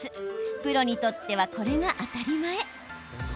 プロにとっては、これが当たり前。